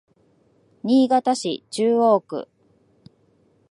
新潟市中央区